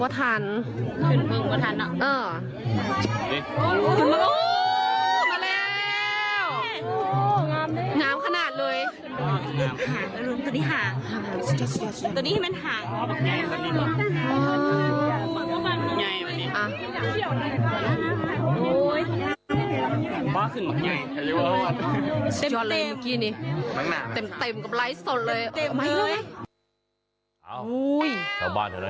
เต็มกับไลฟ์สดเลย